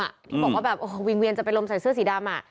ที่บอกว่าแบบโอ้โหวิงเวียนจะไปลมใส่เสื้อสีดำ